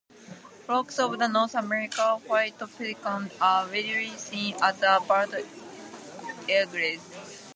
Flocks of the North American White Pelican are readily seen as are Bald Eagles.